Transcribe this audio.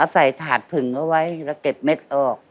ถาดผึ่งเอาไว้แล้วเก็บเม็ดออก